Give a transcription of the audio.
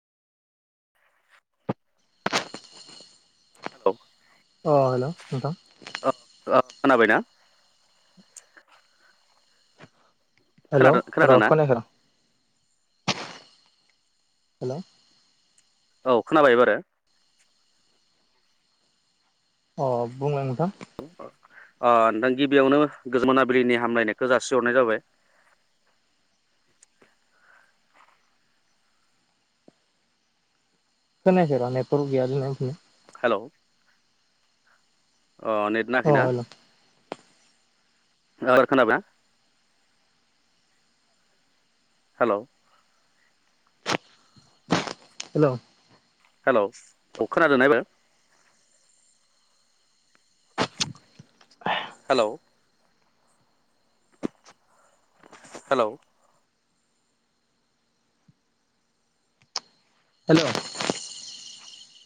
हेल' अ हेल' नोंथां ओ खोनाबायना? हेल' खोनादों र' खोनादोंना खोनायाखै र' हेल' औ खोनाबाय एबारो अ बुंलां दा [inaudible] अ नोंथां गिबियावनो गोजोन मोनाबिलिनि हामलायनायखौ जासिहरनाय जाबाय। खोनाखै र' नेटफोर गैया बे [unintelligible] हेल' अ नेट नाङाखैना? हेल' [unintelligible] खोनाबायना? हेलौ हेलौ हेल' औ खोनादोंना एबार? हेलौ हेलौ हेल'